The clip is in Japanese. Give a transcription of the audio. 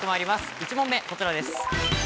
１問目、こちらです。